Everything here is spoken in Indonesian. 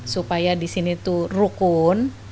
supaya di sini itu rukun